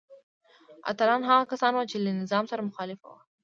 اتلان هغه کسان وو چې له نظام سره مخالف وو.